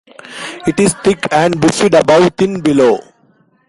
It is thick and bifid above, thin below.